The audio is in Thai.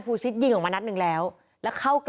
พุ่งเข้ามาแล้วกับแม่แค่สองคน